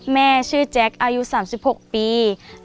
แม่ชื่อแจ๊กอายุ๓๖ปีน้องสาวชื่อจ่านอายุ๑๑ปีแล้วก็หนูค่ะ